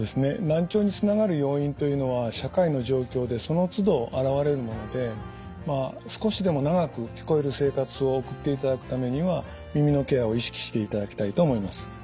難聴につながる要因というのは社会の状況でそのつど現れるものでまあ少しでも長く聞こえる生活を送っていただくためには耳のケアを意識していただきたいと思います。